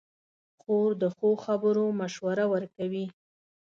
خور د ښو خبرو مشوره ورکوي.